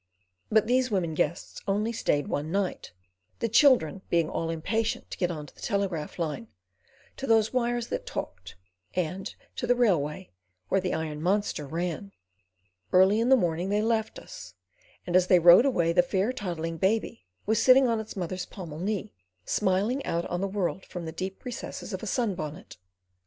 But these women guests only stayed one night, the children being all impatience to get on to the telegraph line, to those wires that talked, and to the railway, where the iron monster ran. Early in the morning they left us, and as they rode away the fair toddling baby was sitting on its mother's pommel knee, smiling out on the world from the deep recesses of a sunbonnet.